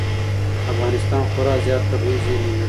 افغانستان خورا زیات طبعي زېرمې لري.